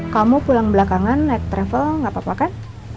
kamu pulang belakangan naik travel nggak apa apa kan